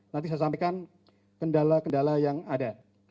nanti saya sampaikan kendala kendala yang ada